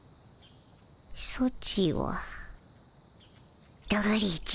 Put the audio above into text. ソチはだれじゃ？